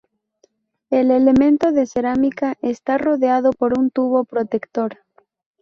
El elemento de cerámica está rodeado por un tubo protector.